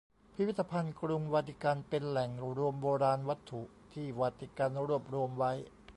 พิพิธภัณฑ์กรุงวาติกันเป็นแหล่งรวมโบราณวัตถุที่วาติกันรวบรวมไว้